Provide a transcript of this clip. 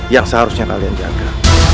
yang seharusnya kalian jaga